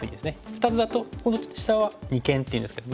２つだとこの下は二間っていうんですけどもね。